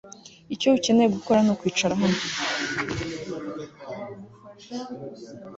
Icyo ukeneye gukora nukwicara hano